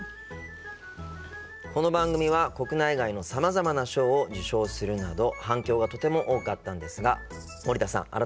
この番組は国内外のさまざまな賞を受賞するなど反響がとても多かったのですが森田さん